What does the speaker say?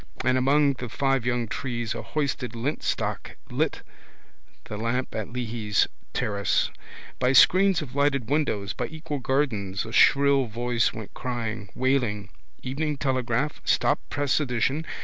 And among the five young trees a hoisted lintstock lit the lamp at Leahy's terrace. By screens of lighted windows, by equal gardens a shrill voice went crying, wailing: _Evening Telegraph, stop press edition!